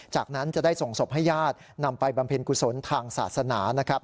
จากนั้นจะได้ส่งศพให้ญาตินำไปบำเพ็ญกุศลทางศาสนานะครับ